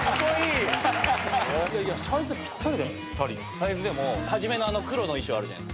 サイズでも初めの黒の衣装あるじゃないですか。